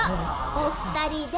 お二人で。